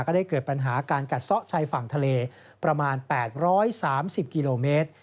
ได้เกิดปัญหาการกัดซ่อชายฝั่งทะเลประมาณ๘๓๐กิโลเมตร